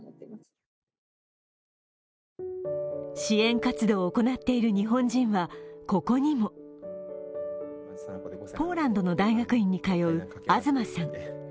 支援活動を行っている日本人は、ここにもポーランドの大学院に通う東さん。